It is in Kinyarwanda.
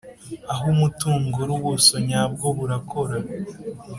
aho umutungo uri ubuso nyabwo burakora